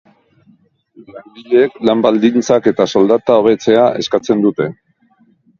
Langileek lan-baldintzak eta soldata hobetzea eskatzen dute.